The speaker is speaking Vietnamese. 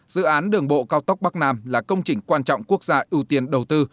dự án đường bộ cao tốc bắc nam là công trình quan trọng quốc gia ưu tiên đầu tư